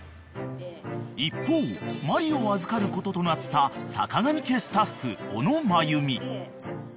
［一方マリを預かることとなったさかがみ家スタッフ小野真弓］